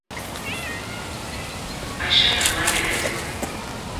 I should have legged it.